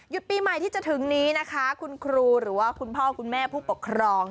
ปีใหม่ที่จะถึงนี้นะคะคุณครูหรือว่าคุณพ่อคุณแม่ผู้ปกครอง